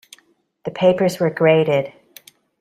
The papers were graded.